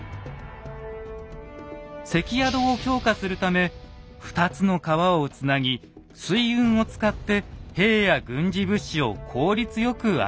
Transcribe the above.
関宿を強化するため２つの川をつなぎ水運を使って兵や軍事物資を効率よく集める。